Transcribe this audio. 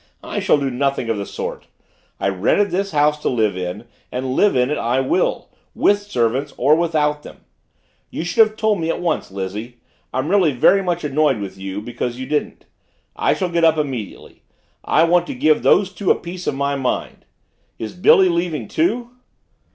I shall do nothing of the sort. I rented this house to live in and live in it I will, with servants or without them. You should have told me at once, Lizzie. I'm really very much annoyed with you because you didn't. I shall get up immediately I want to give those two a piece of my mind. Is Billy leaving too?"